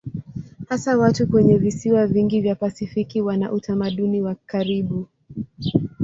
Hasa watu kwenye visiwa vingi vya Pasifiki wana utamaduni wa karibu.